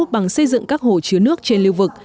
bằng xây dựng các hồ chứa nước trên lưu vực